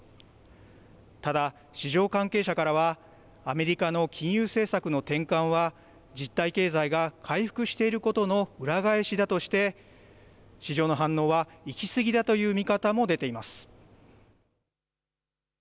ただ市場関係者からはアメリカの金融政策の転換は実体経済が回復していることの裏返しだとして市場の反応は行きすぎだという見方も出ています。